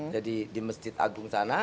jadi di masjid agung sana